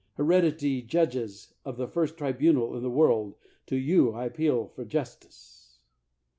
Hered itary judges of the first tribunal in the world, to you I appeal for justice!